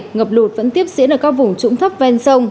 ngập lụt vẫn tiếp diễn ở các vùng trũng thấp ven sông